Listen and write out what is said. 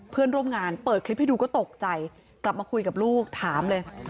เพื่อนร่วมงานเปิดคลิปให้ดูก็ตกใจกลับมาคุยกับลูกถามเลย